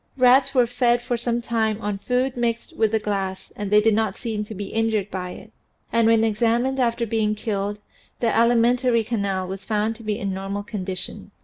Rats were fed for some time on food mixed with the glass and they did not seem to be injured by it. And when examined after being killed, the alimentary canal was found to be in normal condition.